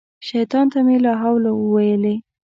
شیطان ته مې لا حول وویلې.